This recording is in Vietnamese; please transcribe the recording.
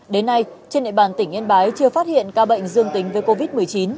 đến nay trên địa bàn tỉnh yên bái chưa phát hiện ca bệnh dương tính với covid một mươi chín